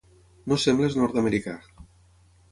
No sembles nord-americà.